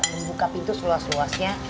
membuka pintu seluas luasnya